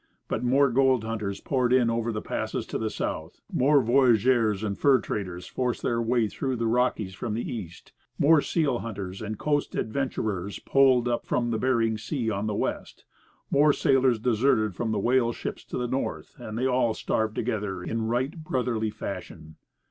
But more gold hunters poured in over the passes to the south, more voyageurs and fur traders forced a way through the Rockies from the east, more seal hunters and coast adventurers poled up from Bering Sea on the west, more sailors deserted from the whale ships to the north, and they all starved together in right brotherly fashion.